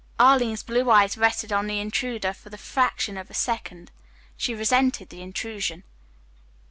Arline's blue eyes rested on the intruder for the fraction of a second. She resented the intrusion.